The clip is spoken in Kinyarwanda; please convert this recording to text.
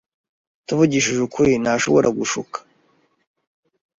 Tuvugishije ukuri, ntashobora gushuka